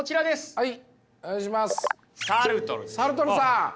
はい。